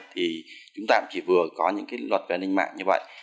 thì chúng ta cũng chỉ vừa có những cái luật về an ninh mạng như vậy